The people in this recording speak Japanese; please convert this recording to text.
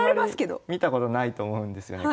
あんまり見たことないと思うんですよねこれ。